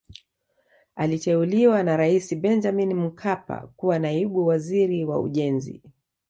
aliteuliwa na raisi benjamin mkapa kuwa naibu waziri wa ujenzi